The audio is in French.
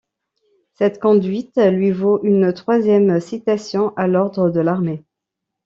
Cette conduite lui vaut une troisième citation à l’ordre de l’Armée.